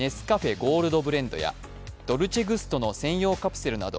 ゴールドブレンドやドルチェグストの専用カプセルなど